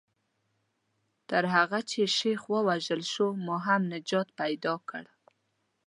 تر هغه چې شیخ ووژل شو ما هم نجات پیدا کړ.